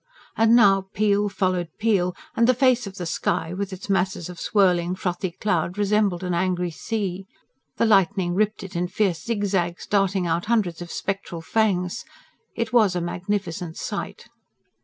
And now peal followed peal, and the face of the sky, with its masses of swirling, frothy cloud, resembled an angry sea. The lightning ripped it in fierce zigzags, darting out hundreds of spectral fangs. It was a magnificent sight.